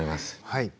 はい。